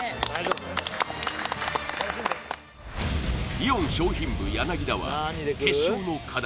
イオン商品部田は決勝の課題